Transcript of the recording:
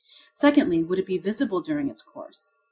Secondly, would it be visible during its course?